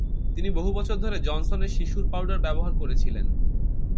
তিনি বহু বছর ধরে জনসনের শিশুর পাউডার ব্যবহার করেছিলেন।